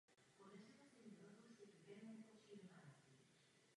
Dále musíme věnovat zvláštní pozornost problémům spojeným s fiskální disciplínou.